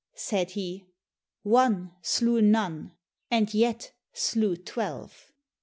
said he, "One slew none, and yet slew twelve."